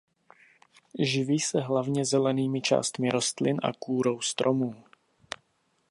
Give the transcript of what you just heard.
Živí se hlavně zelenými částmi rostlin a kůrou stromů.